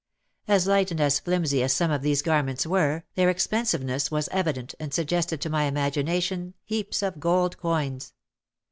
As light and as flimsy as some of these garments were, their expensiveness was evident and suggested to my imagination heaps of gold coins.